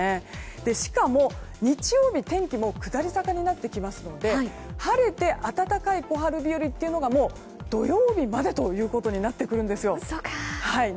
しかも、日曜日天気が下り坂になってきますので晴れて暖かい小春日和っていうのがもう土曜日までとなってくるんですよ。